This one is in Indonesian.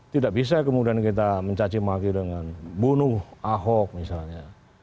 tidak bisa kemudian kita mencacimaki dengan bunuh ahok misalnya